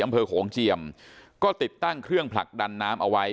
โขงเจียมก็ติดตั้งเครื่องผลักดันน้ำเอาไว้